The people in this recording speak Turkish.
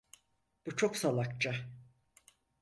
Bu çok salakça.